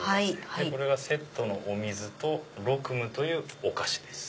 これがセットのお水とロクムというお菓子です。